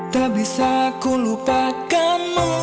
tak bisa ku lupakanmu